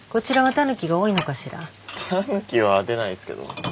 タヌキは出ないっすけど。